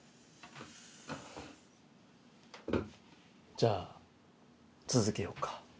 「じゃあ続けようか」